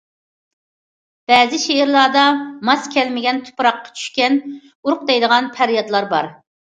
بەزى شېئىرلاردا ماس كەلمىگەن تۇپراققا چۈشكەن ئۇرۇق دەيدىغان پەريادلار بار.